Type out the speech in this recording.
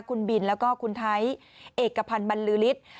คุณบินแล้วก็คุณไทยเอกพันธ์บรรลือฤทธิ์